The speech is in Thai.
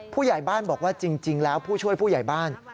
ผู้ใหญ่บ้านบอกว่าจริงแล้วผู้ช่วยผู้ใหญ่บ้าน